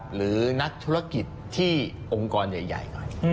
หรือนักธุรกิจที่องค์กรใหญ่หน่อย